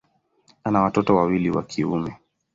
Ana watoto wawili wa kiume.